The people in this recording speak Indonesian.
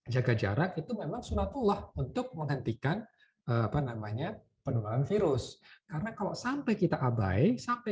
jaga jarak itu memang sunatullah untuk menghentikan apa namanya penularan virus karena kalau sampai kita abai sampai